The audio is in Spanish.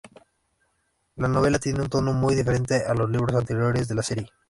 La novela tiene un tono muy diferente a los libros anteriores de la serie.